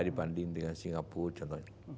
dibanding dengan singapura contohnya